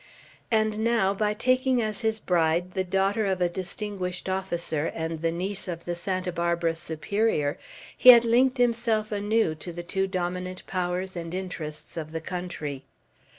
And now, by taking as his bride the daughter of a distinguished officer, and the niece of the Santa Barbara Superior, he had linked himself anew to the two dominant powers and interests of the country.